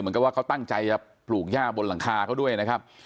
เหมือนกับว่าเขาตั้งใจจะปลูกย่าบนหลังคาเขาด้วยนะครับ